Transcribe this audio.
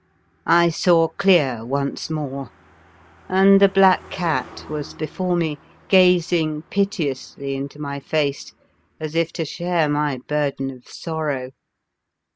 I saw clear once more, and the black cat was before me, gazing piteously into my face as if to share my burden of sorrow.